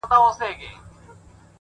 سیاه پوسي ده؛ شپه لېونۍ ده؛